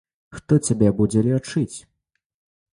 Хто цябе будзе лячыць?